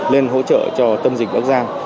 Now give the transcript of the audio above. lên hỗ trợ cho tâm dịch bác giang